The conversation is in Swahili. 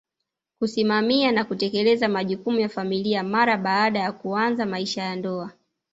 kusimamia na kutekeleza majukumu ya familia mara baada ya kuanza maisha ya ndoa